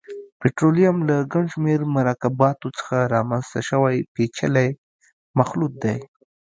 پټرولیم له ګڼشمېر مرکباتو څخه رامنځته شوی پېچلی مخلوط دی.